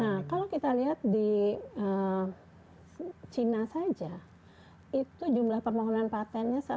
nah kalau kita lihat di china saja itu jumlah permohonan patentnya